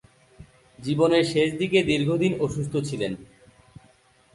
জীবনের শেষদিকে দীর্ঘদিন অসুস্থ ছিলেন।